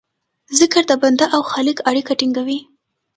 ذکر د بنده او خالق اړیکه ټینګوي.